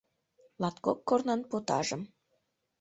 Латкок корнан потажым